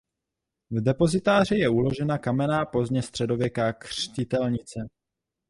V depozitáři je uložena kamenná pozdně středověká křtitelnice.